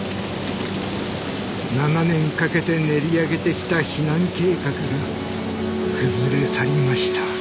７年かけて練り上げてきた避難計画が崩れ去りました。